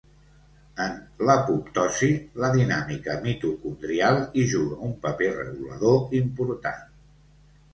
En l’apoptosi, la dinàmica mitocondrial hi juga un paper regulador important.